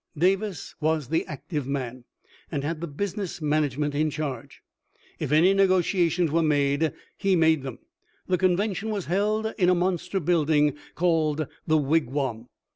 Davis was the active man, and had the business man agement in charge. If any negotiations were made, he made them. The convention was held in a mon ster' building called the Wigwam.